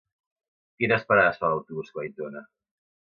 Quines parades fa l'autobús que va a Aitona?